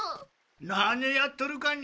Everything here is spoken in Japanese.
何やっとるかね？